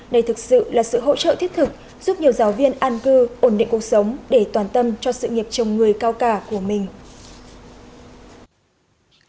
đây thực sự là sự hỗ trợ thiết thực giúp nhiều giáo viên an cư ổn định cuộc sống để toàn tâm cho sự nghiệp chồng người cao cả của mình